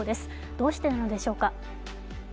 どうしてなのでしょうか？